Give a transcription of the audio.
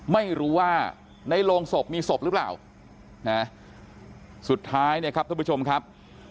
ไม่รู้ว่าในโรงศพมีศพหรือเปล่านะสุดท้ายเนี่ยครับท่านผู้ชมครับ